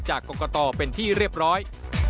จากกรกตเป็นที่เรียบร้อย